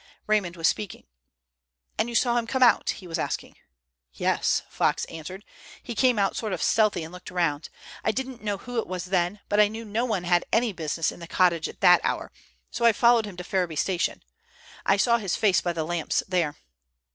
Raymond was speaking: "And you saw him come out?" he was asking. "Yes," Fox answered. "He came out sort of stealthy and looked around. I didn't know who it was then, but I knew no one had any business in the cottage at that hour, so I followed him to Ferriby station. I saw his face by the lamps there."